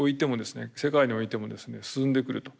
世界においてもですね進んでくると。